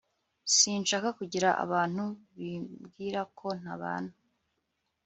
sinshaka kugira abantu bibwira ko ntabana